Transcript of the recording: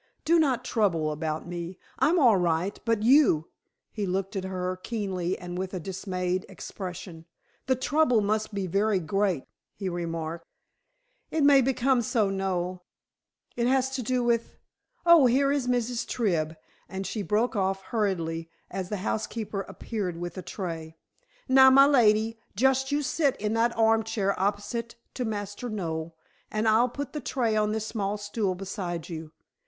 "Do not trouble about me. I'm all right. But you " he looked at her keenly and with a dismayed expression. "The trouble must be very great," he remarked. "It may become so, Noel. It has to do with oh, here is Mrs. Tribb!" and she broke off hurriedly, as the housekeeper appeared with a tray. "Now, my lady, just you sit in that arm chair opposite to Master Noel, and I'll put the tray on this small stool beside you.